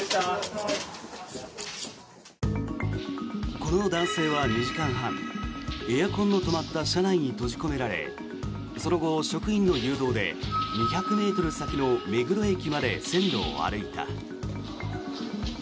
この男性は２時間半エアコンの止まった車内に閉じ込められその後、職員の誘導で２００ｍ先の目黒駅まで線路を歩いた。